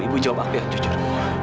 ibu jawab aku yang jujur